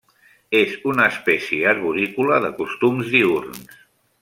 És una espècie arborícola de costums diürns.